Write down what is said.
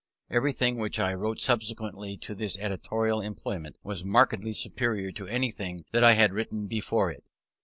Everything which I wrote subsequently to this editorial employment, was markedly superior to anything that I had written before it.